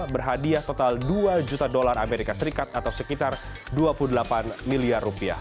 berhadiah total dua juta dolar amerika serikat atau sekitar dua puluh delapan miliar rupiah